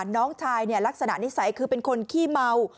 น้องชายลักษณะนิสัยคือเป็นคนขี้เมา